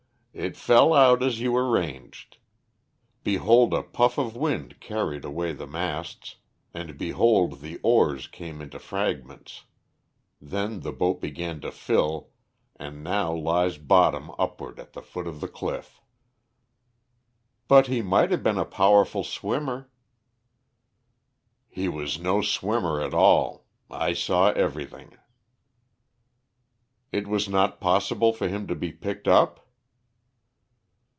"It fell out as you arranged. Behold a puff of wind carried away the masts, and behold the oars came into fragments. Then the boat began to fill and now lies bottom upward at the foot of the cliff." "But he might have been a powerful swimmer." "He was no swimmer at all. I saw everything." "It was not possible for him to be picked up?"